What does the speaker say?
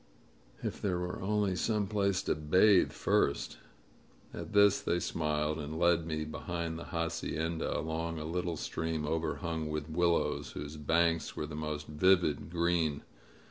"If there were only some place to bathe first !" At this they smiled and led me behind the hacienda, along a little stream overhung with willows, whose banks were the most vivid green.